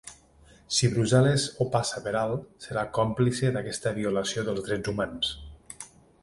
Si Brussel·les ho passa per alt, serà còmplice d’aquesta violació dels drets humans.